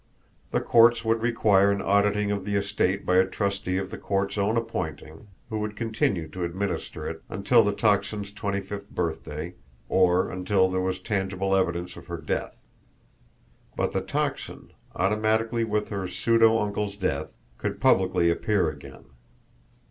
The courts would require an auditing of the estate by a trustee of the courts' own appointing, who would continue to administer it until the Tocsin's twenty fifth birthday, or until there was tangible evidence of her death but the Tocsin, automatically with her pseudo uncle's death, could publicly appear again.